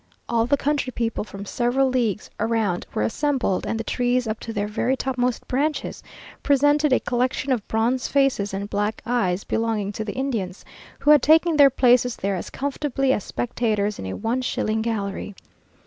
All the country people from several leagues round were assembled, and the trees up to their very topmost branches presented a collection of bronze faces and black eyes, belonging to the Indians, who had taken their places there as comfortably as spectators in a one shilling gallery.